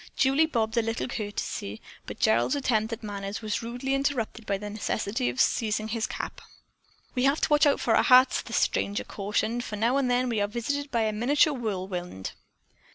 Julie bobbed a little curtsy, but Gerald's attempt at manners was rudely interrupted by the necessity of seizing his cap. "We have to watch out for our hats," the stranger cautioned, "for now and then we are visited by a miniature whirlwind."